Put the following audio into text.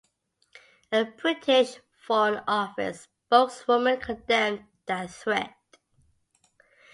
A British foreign office spokeswoman condemned that threat.